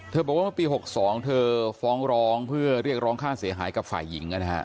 เธอบอกว่าปี๖๒เธอฟ้องรองเพื่อเรียกรองค่าเสียหายกับฝ่ายหญิง